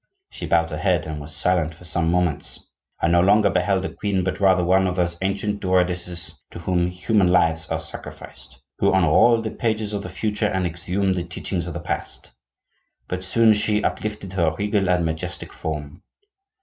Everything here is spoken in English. She bowed her head and was silent for some moments. I no longer beheld a queen, but rather one of those ancient druidesses to whom human lives are sacrificed; who unroll the pages of the future and exhume the teachings of the past. But soon she uplifted her regal and majestic form.